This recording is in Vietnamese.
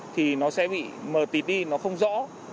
thì nó sẽ bị mờ tịt đi nó không rõ